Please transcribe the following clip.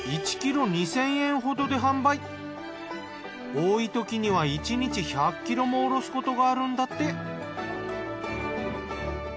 多いときには１日１００ｋｇも卸すことがあるんだって。